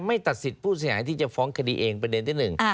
ไม่ตัดสิทธิ์ผู้สหายที่จะฟ้องคดีเองเป็นเรื่องที่หนึ่ง